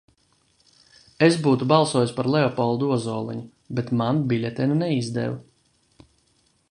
Es būtu balsojis par Leopoldu Ozoliņu, bet man biļetenu neizdeva.